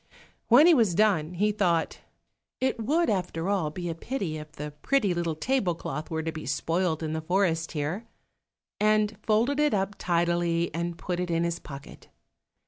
When he was done, he thought, "It would after all be a pity if the pretty little table cloth were to be spoilt in the forest here," and folded it up tidily and put it in his pocket.